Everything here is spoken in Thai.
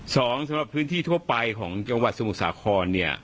สองสำหรับพื้นที่ทั่วไปของจังหวัดสมุสาคอล